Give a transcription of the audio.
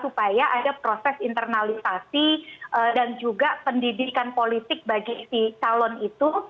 supaya ada proses internalisasi dan juga pendidikan politik bagi si calon itu